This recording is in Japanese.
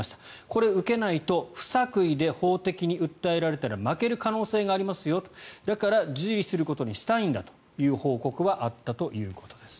これを受けないと不作為で法的に訴えられたら負ける可能性がありますよとだから受理することにしたいんだという報告はあったということです。